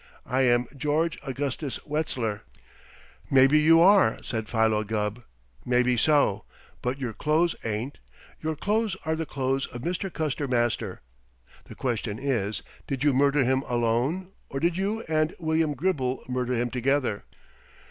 I am George Augustus Wetzler " "Maybe you are," said Philo Gubb. "Maybe so. But your clothes ain't. Your clothes are the clothes of Mister Custer Master. The question is, 'Did you murder him alone, or did you and William Gribble murder him together?'"